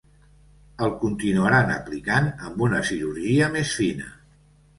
El continuaran aplicant amb una ‘cirurgia més fina’.